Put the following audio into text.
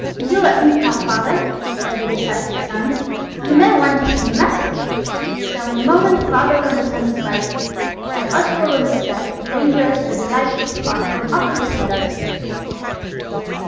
"Do let me come, Father," said the decisive son. "You may want to send a message." So in a moment Father was on his bike and Oswald on the step–a dangerous but delightful spot–and off to the Cedars.